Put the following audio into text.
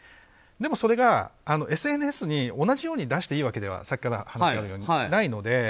でもそれが、ＳＮＳに同じように出していいわけではないので。